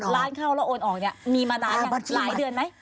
ล้านเข้าแล้วโอนออกเนี่ยมีมานานยังหลายเดือนไหม